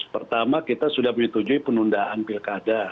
pertama kita sudah menyetujui penundaan pilkada